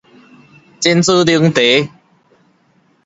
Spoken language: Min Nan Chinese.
真珠奶茶